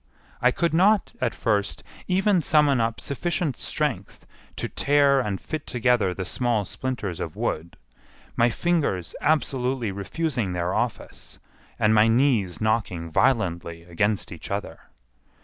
I could not, at first, even summon up sufficient strength to tear and fit together the small splinters of wood, my fingers absolutely refusing their office, and my knees knocking violently against each other.